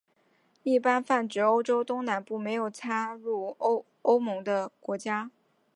一般泛指欧洲东南部没有加入欧盟的国家。